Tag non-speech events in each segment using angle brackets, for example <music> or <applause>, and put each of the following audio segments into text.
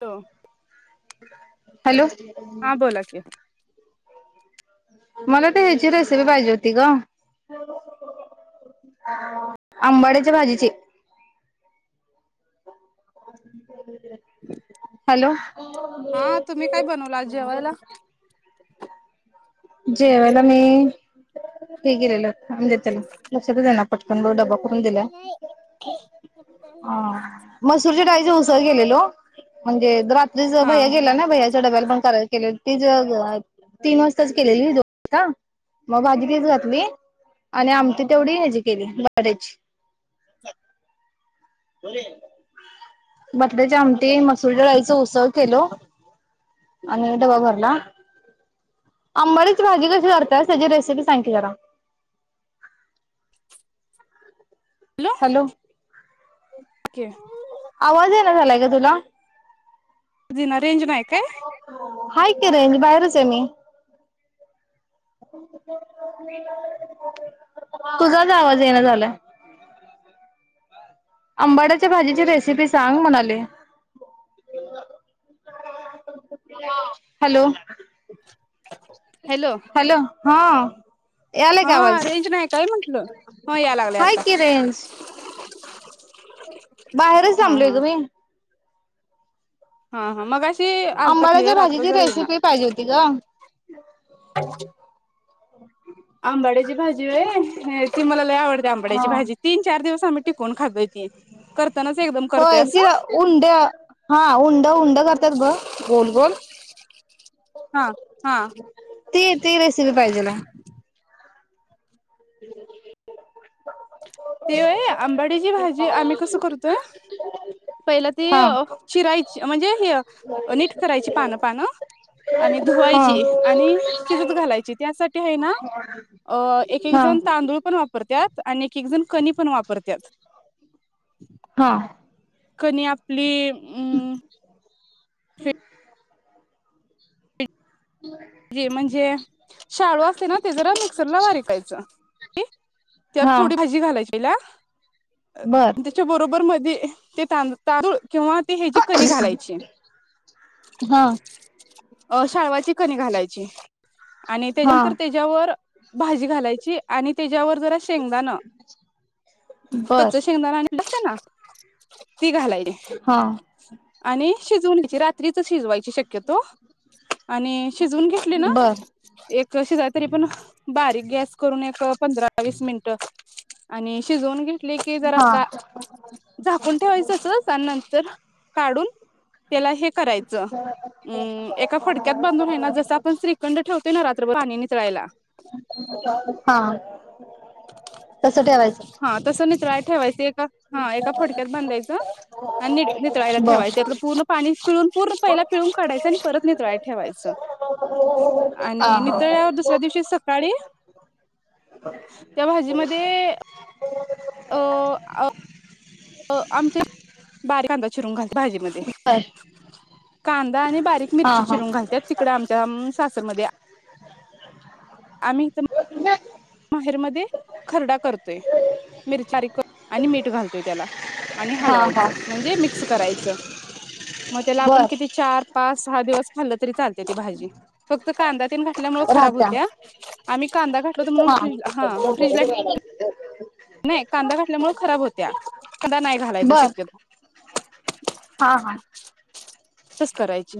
तो हॅलो हा बोला की मला तर ह्याची रेसिपी पाहिजे होती गं आंबाड्याच्या भाजीची हॅलो हा तुम्ही काय बनवला जेवायला? जेवायला मी ते गेलेलं <unintelligible> लक्षातच येना पटकन ब डबा करून दिलाय. आ मसुरच्या डाळीत उसळ केलेलो, म्हणजे द्रा रिज हा भैया गेला ना भैया. डब्याला पण करायला केलेलं <unintelligible> के मग भाजी तीच घातली आणि आमटी तेवढी हची केली बटाट्याची बटाट्याची आमटी मसुरी डाळीच उसळ केलो आणि डबा भरला आंबाडची भाजी कशी करताय त्याची रेसिपी सांगकी जरा. हॅलो. <unintelligible> आवाज ये ना झालाय का तुझा रेंज नाय काय. हाय की आहे रेंज बाहेरच आहे मी तुझाच आवाज येना झालाय आंबाड्याच्या भाजीची रेसिपी सांग म्हणाले हॅलो. हॅलो हा. ऐ आलाय का हा आवाज रेंज नाही काय म्हंटलं हा या लागले हाय आता कि रेंज. <inaudible> बाहेरच हा थांब लेग हा बई हा हा मग अशी आलता आंबाड्याच्या क्लिअर आता भाजीची जर येईना रेसिपी पाहिजे होती ग. <unintelligible> आंबाड्याची भाजी होय ती मला आवडते हा आंबाड्याची भाजी तीन चार दिवस आम्ही टिकून खातोय ती करतानाच एकदम करतोय होय अस ती उंड हा उंड उंड करतात ब गोल गोल हा. ती ती रेसिपीच पाहिजेले <unintelligible> ते होय आंबाडीची भाजी आम्ही कसं करतोय पहिला ती हा चिरायची म्हणजे हि आणि हा. धुवायची आणि शिजत घालायची त्यासाठी एक एक जण हा तांदूळ पण वापर परत्यात कणी पण वापरत्यात हा. कणी आपली <unintelligible> <inaudible> जे म्हणजे शाळू असते ना ते जरा मिक्सरला वारीकायच ओके त्यात हा थोडी भाजी घालायची <unintelligible> बर त्याच्या बरोबर मधी ते तादु तादुळ किंवा ती हची कणी हा घालायची अ शाळवाची कणी घालायची आणि हा त्याच्यानंतर त्याच्यावर भाजी घालायची आणि त्याच्यावर जरा शेंगदाण कच्च बर शेंगदाण आणि <unintelligible> ती घालाय हा आणि शिजवुन घ्याची रात्रीच शिजवायची शक्यतो आणि शिजून घेतली ना बर एक शिजाय तरी पण बारीक गॅस करून एक पंधरा वीस मिनट आणि शिजवुन घे तली की जरा हा झाकून ठेवायचंच आणि नंतर काढून त्याला हे करायचं हम्म एका फडक्यात बांधून हेना जस आपण श्रीखंड ठेवतोय ना रात्रभर पाणी नितळायला हा तसं ठेवायचं हा तस नीतळाय ठेवाच एक हा एका फडक्यात बांधायच आणि निड नितळायला ठेवायचं बर त्यातलं पूर्ण पाणी पीळून पूर्ण पहिला पिळून काढायच आणि परत नितळा ठेवायचं हा आणि हा नितळ्यावर दुसऱ्या दिवशी सकाळी भाजीमध्ये <unintelligible> <unintelligible> अ आ अ. अ आमच्या इथे बारीक कांदा चिरून घालतात भाजी मध्ये बर कांदा आणि बारीक हा मिरची हा चिरून घालतात तिकड आमच्या म सासरमध्ये <unintelligible> आम्ही तुम माहेरमध्ये खरडा करतोय मिरच्या आणि मीठ घालतोय त्याला आणि हा हा हलवायचं म्हणजे मिक्स करायचं. मग त्याला आपण बर किती चार पाच सहा दिवस खाल्लं तरी चालते ती भाजी फक्त कांदाया तन घातल्यामुळ खराब राहत्या होत्या आम्ही कांदा घातलो होतो म्हणून फ्रीज हा फ्रीजला <unintelligible> <unintelligible> नाही कांदा घातल्यामुळे खराब होत्या कांदा नाही घालायचा बर शक्यतो हा हा तच करायची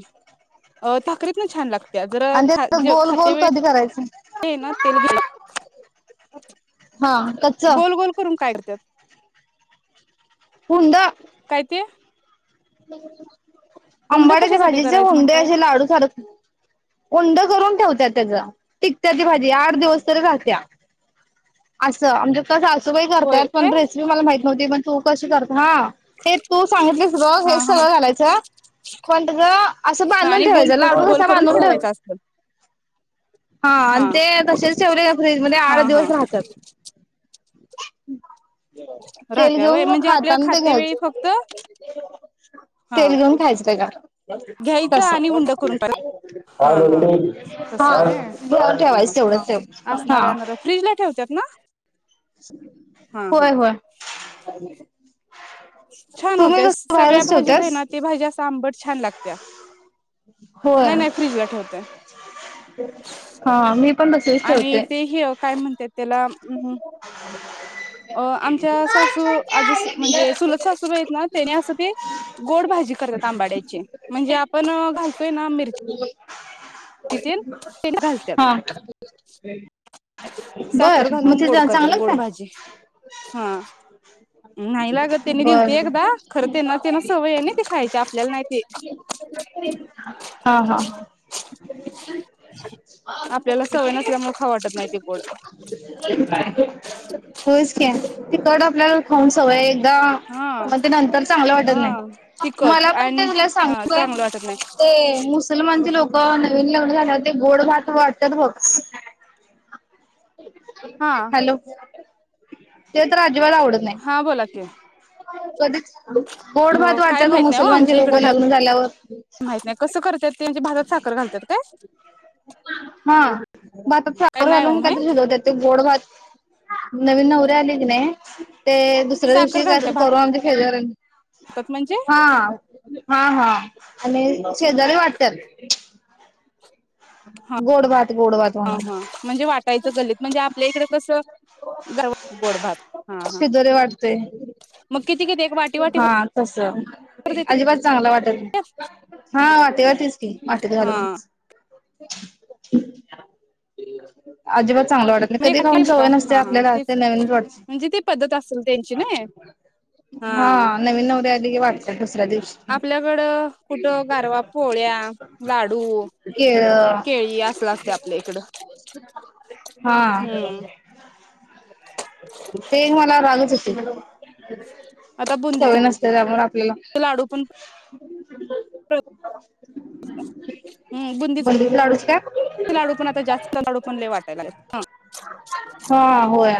अ ताकरीत ना छान लागत त्याग्र आणि ख त्याच जे गोल खाते गोल वेळ कधी करायचं ना, <unintelligible> तेल घ्याला रिकामा ऑडिओ गोल गोल करून काय करत्यात? हुंडा. काय ते? रिकामा ऑडिओ उंड आंबाड्याच्या कशासाठी भाजीचे करायचं हुंडे म्हणताय असे लाडुसारखे. हुंडे करून ठेवत्यात. टिकत्याची भाजी आठ दिवस तरी राहत्यात अस म्ह कस सासुबाई होय करत्यात. काय पन रेसिपी मला माहित कधी पन तू कशी करते? हा, तें तू सांगितलेस ग! हा हा सगळं घालायचं पण तसं असं हा बांधून आणि गोल ठेवायचं कर लाडू गोल कसा करून बांधून ठेवत ठेवायच असतं हा आणि ते तसेच ठेवले का फ्रीज मध्ये आठ हा हा दिवस राहतात. रिकामा ऑडिओ राहत्या वय म्हणजे आपल्याला खाते वेळी घ्यायचं फक्त हा तेल घेऊन खायचं. घ्यायचं आणि रिकामा उंड करून टाक हा हा ऑडिओ तसं व्हय हा हा असणार <inaudible> असणार फ्रीज ला ठेवत्यात ना हा होय हा होय. छान होत तुम्ही कसं सगळ्या बाहेरच भाजीत ठेवत्यास ना ती भाजी आंब छान लागत्या. होय नाही नाही फ्रीज ला ठेवतेय. हा मी पण तसेच आणि ठेवते ते ही काय म्हणतात त्याला.. अहं. अ आमच्या सासू आज म्हणजे चूलत सासुबाई आहेत ना त्याने असं ते गोड भाजी करत्यात अंबड्याची. म्हणजे आपन घालतोय ना <unintelligible> तें घालत्यात. हा बर. मग लून ते गोड करतात चांगलं गोड काय भाजी हा नाही लागत त्यांनी दिल ते बर एकदा खर त्यांना त्यांना सवय आहे ना ते खायची आपल्याला नाही ते. हा हा आपल्याला सवय नसल्यामुळे खाऊ वाटत नाही. ते गोड. रिकामा ऑडिओ होयच क्या तिकडं आपल्या खाऊन सवय <unintelligible> त हा मं तें नंतर चांगल वाटत हा नाय. तिखट मला पण आणि तें हा सांगू काय चांगलं वाटत नाही तें मुसलमान् तें लोक नवीन लग्नझाल्यावर ते गोड भात वाटतात बघ हा हॅलो, ते तर <unintelligible> आवडत हा बोला की नाही. कधीच गोड अ भात काय वाटतात माहित नाही हो मुसलमानचे आमच्या लोक इकडं काय लग्न झाल्यावर म्हण भातात साखर घालतात काय? हा भातात काय साखर नाही ओ घालून माहित काहीतरी शिजवतात ते गोड भात नवीन नवरी आली की ना ही ते दुसऱ्या साखर दिवशी कायतर घालतात कोरुन फेजर भातात म्हणजे हा हा हा आणि शेजारी वाटत्यात हा गोड भात गोड भात हा होणार हा म्हणजे वाटायचं गल्लीत म्हणजे आपल्या इकडे कसं गर गोड भात हा हा शिदोरी वाटतो. मग किती किती एक वाटी वाटी हा तस भर अजिबात चांगला वाटेल, देत्यात हा वाटी वरतीच की वाटीत हा घालूनच अजिबा चांगल वाटत नाही म्हणजे कधी खाऊन वाटी का सवय नसते हा आपल्याला तेच ते नवीन वाटत म्हणजे ती पद्धत असेल त्यांची नाय हा नवीन नवरी आली वाट ते स आपल्याकडं कुठं गारवा पोळ्या लाडू केळ, केळी असलं असतय आपल्या इकडं ह हम्म ते मला रो आता सवय बुंदीचा नसते. त्यामुळे आपल्याला लाडू पण हम्म बुंदीचा बुंदी लाडूच काय लाडू पण आता जास्त लाडू पण लय वाटायला लागलेत हा हो य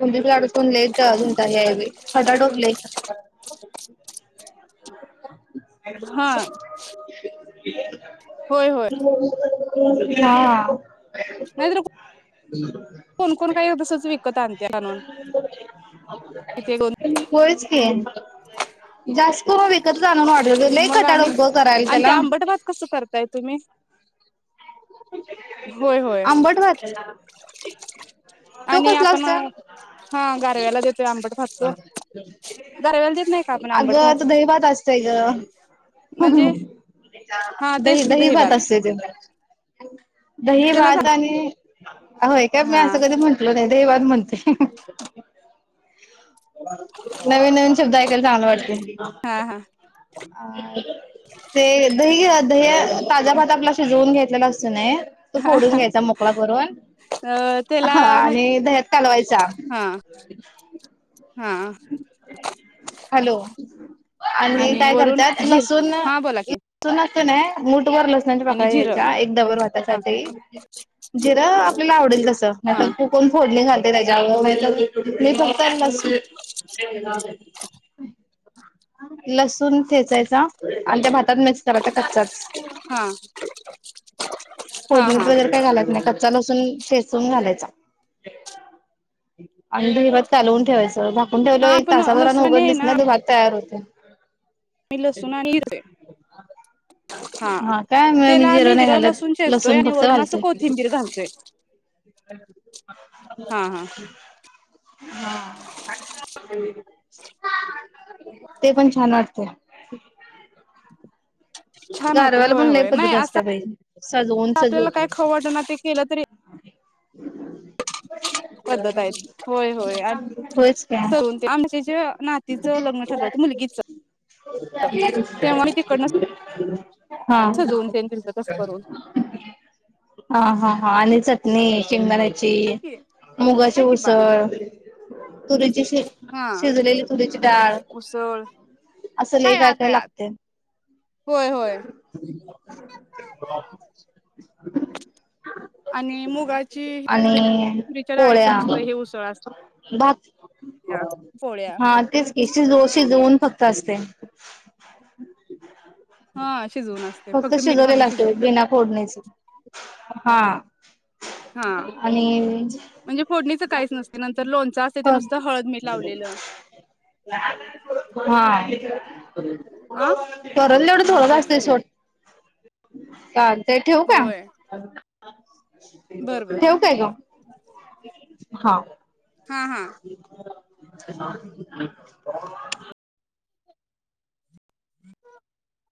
बुंदीचे लाडू <unintelligible> <unintelligible> हा हा होय होय के ह नाहीतर हा कोण कोण काय तसंच <inaudible> विकत आणत्यात आणून त किती दोन बस क तो विकतच आणून ऑर्डर दिला, लई मग आणि खटाठोप करायला आणि ते त्याला आंबट भात कसं करताय तुम्ही? होय होय आंबट भात तो आणि कसला आपण असतोय हा गारव्याला देतोय आंबट भात तो गारव्याला देत नाही का आपण आंबट भात दहीभात असतय गं, म्हणजे? हा तेच की दहीभात असतय ते ह दही त्यालाच भात आणि ह होय काय मी हा असं कधी म्हटल नाही दही भात म्हणते नवीन नवीन शब्द ऐकायला चांगला वाटते. ह हो हा हा ते दही दही ताज्या भात आपला शिवून घेत <inaudible> असतोय की नाही. तू फोडून घ्यायचा मोकळा करून अ त्याला हा म्हणजे आणि दह्यात कालवायचा. हा हा हॅलो आणि काय वरून करत्यात झीर लसूण हा बोला की ल कणी मु र लस पाक आणि जिरं घ्यायचा एकदा वर हा भातासाठी ज <inaudible> ला आवडेल तस हा चुकून फोडणी घात त्याच्यावर फक्त लसूण ठेचायचा आणि त्या भाता त मिक्स करायचा कच्चाच हा हा फोडणीत हा वगैरे काय घालायत नाही कच्चा लसूण ठेचून घालायचा आणि दहीभात कालवून ठेवायच. झाकून ठेवलं हा एक आपण तासाभरानं लसूण उघडलीच ना तू भाग तयार होत. ते मी लसूण आणि हिरवी मिरची हा त्याला मी जिरं लसूण चेचतोय आणि वरून असं कोथिंबीर घालतोय. हा हा हा ते पण छान वाटतय. छान होते गारव्या ला होय पण लय होय नाही पद्धत असं असत्या बाई सजवून आपल्याला काय सजवून. खाऊ वाटना ते केलं तरी <inaudible> पद्धत आहे होय होय. आणि होयच सजवून काय ते आमचे जे नातीचं लग्न ठरलं होतं मुलगीच तेव्हा मी तिकडन हा तसं करून हा हा हा चटणी शेंगदाण्याची. हाय की मुगाची हाय की बाळ उसळ तुरीची हा शिजलेली तुरीची डाळ उसळ हाय आत हाय आत होय होय <unintelligible> <inaudible> आणि मुगाची आणि तुरीच्या डाळीची पोळ्या नुसतं हे उसळ असत भात पोळ्या. असते हा शिजवून असते फक्त मीठ घालून शिजवलेला असतय शिजवत्यात बिना फोडणी च हा. हा आणि म्हणजे फोडणीचं काहीच नसते नंतर लोणचं असते ते नुसतं हळद मीठ लावलेलं हा आ करल तेवढं हा थोड च तेच असतय की सोड. काल ये ठेवू का. होय ह बर बर ठेवू काय ग? हा हा <inaudible> <unintelligible> <unintelligible>